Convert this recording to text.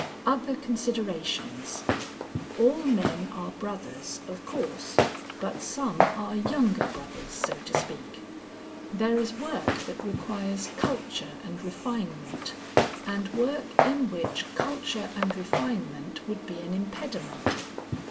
Other Considerations. All men are brothers, of course, but some are younger brothers, so to speak. There is work that requires culture and refinement, and work in which culture and refinement would be an impediment.